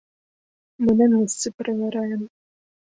Мы на месцы правяраем.